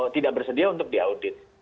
tidak bersedia untuk diaudit